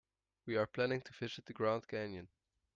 We are planning to visit the Grand Canyon.